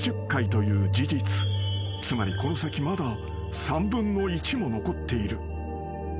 ［つまりこの先まだ３分の１も残っている］